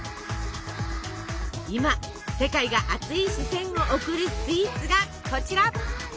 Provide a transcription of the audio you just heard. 今世界が熱い視線を送るスイーツがこちら！